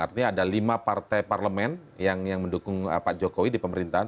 artinya ada lima partai parlemen yang mendukung pak jokowi di pemerintahan